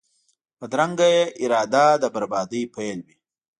بدرنګه اراده د بربادۍ پیل وي